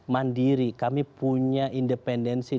mandiri kami punya independensi